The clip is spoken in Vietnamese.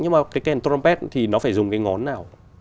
nhưng mà cái kèn trumpet thì nó phải dùng cái ngón nào